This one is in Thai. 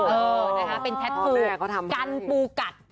เออเป็นแท็ดพูกันปูกัด